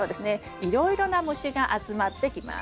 いろいろな虫が集まってきます。